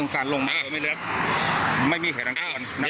เช่นเลยครับ